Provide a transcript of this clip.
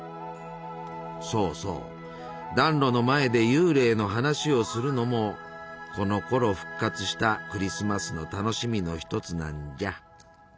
そうそう暖炉の前で幽霊の話をするのもこのころ復活したクリスマスの楽しみの一つなんじゃ。